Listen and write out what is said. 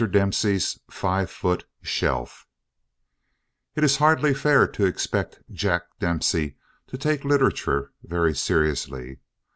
DEMPSEY'S FIVE FOOT SHELF It is hardly fair to expect Jack Dempsey to take literature very seriously.